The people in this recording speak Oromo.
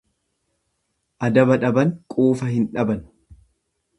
Adaba dhaban quufa hin dhaban.